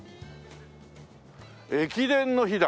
「駅伝の碑」だ。